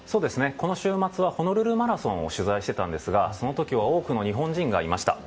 この週末はホノルルマラソンを取材していたんですがその時は多くの日本人がいました。